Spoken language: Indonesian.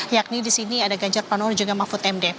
yakni di sini ada ganjar pranowo dan juga mahfud md